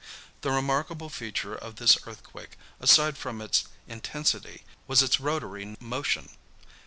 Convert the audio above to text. "The remarkable feature of this earthquake, aside from its intensity, was its rotary motion.